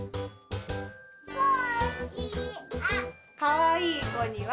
かわいいこには。